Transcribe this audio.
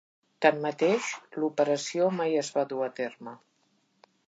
Tanmateix l'operació mai es va dur a terme.